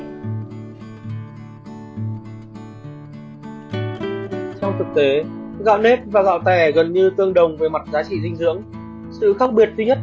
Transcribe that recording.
trong thực tế gạo nếp và gạo tẻ gần như tương đồng về mặt giá trị dinh dưỡng